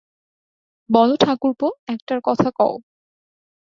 বলো ঠাকুরপো, একটা কথা কও।